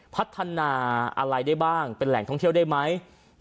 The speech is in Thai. พัฒนาอะไรได้บ้างเป็นแหล่งท่องเที่ยวได้ไหม